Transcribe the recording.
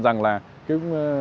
rằng là cái